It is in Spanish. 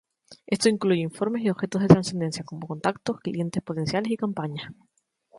Esto incluye informes y objetos de transferencia, como contactos, clientes potenciales y campañas.